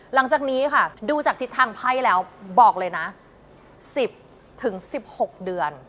หลังจากนี้ค่ะดูจากทิศทางไพ่แล้วบอกเลยนะ๑๐๑๖เดือน